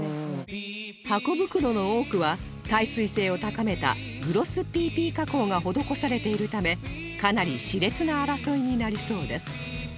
ハコ袋の多くは耐水性を高めたグロス ＰＰ 加工が施されているためかなり熾烈な争いになりそうです